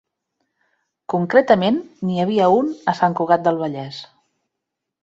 Concretament, n'hi havia un a Sant Cugat del Vallès.